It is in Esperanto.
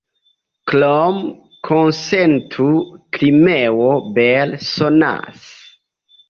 Krome, konsentu, "Krimeo" bele sonas.